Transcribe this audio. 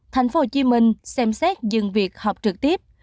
thành phố hồ chí minh xem xét dừng việc học trực tiếp